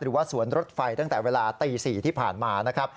หรือว่าสวนรถไฟตั้งแต่เวลาตี๔ที่ผ่านมานะครับ